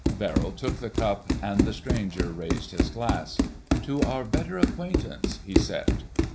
Verrill took the cup, and the stranger raised his glass. "To our better acquaintance," he said.